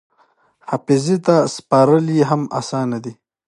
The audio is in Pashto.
حافظې ته سپارل یې هم اسانه دي.